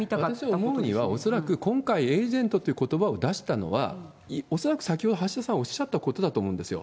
私、思うには、恐らく今回エージェントってことばを出したのは、恐らく先ほど橋田さんおっしゃったことだと思うんですよ。